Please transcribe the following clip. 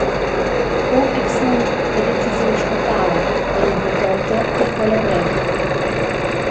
Buc exnum la decisiun sco tala ei impurtonta tier quella brev.